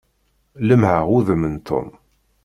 Lemmεeɣ udem n Tom.